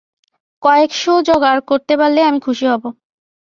কয়েক-শো যোগাড় করতে পারলেই আমি খুশী হব।